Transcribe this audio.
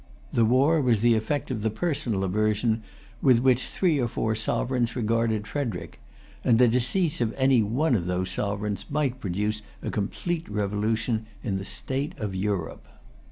The war was the effect of the personal aversion with which three or four sovereigns regarded Frederic; and the decease of any one of those sovereigns might produce a complete revolution in the state of Europe.